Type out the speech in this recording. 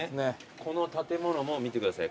この建物も見てください。